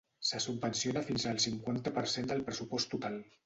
Se subvenciona fins al cinquanta per cent del pressupost total.